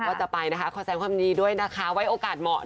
ว่าจะไปนะคะขอแสงความดีด้วยนะคะไว้โอกาสเหมาะ